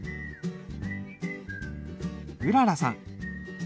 うららさん。